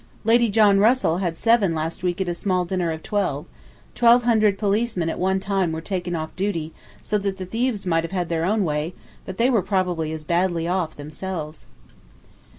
Lady John Russell had seven last week at a small dinner of twelve; 1,200 policemen at one time were taken off duty, so that the thieves might have had their own way, but they were probably as badly off themselves.